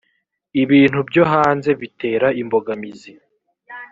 ibintu byo hanze bitera imbogamizi